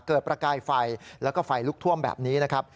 ประกายไฟแล้วก็ไฟลุกท่วมแบบนี้นะครับ